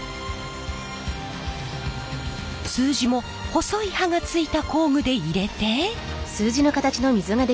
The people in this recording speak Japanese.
数字も細い刃がついた工具で入れて。